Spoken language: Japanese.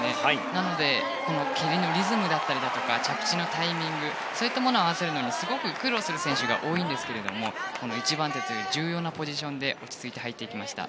なので踏み切りのリズムだったり着地のタイミングをそういったものを合わせるために苦労する選手が多いんですけども一番手という重要なポジションで落ち着いて入っていきました。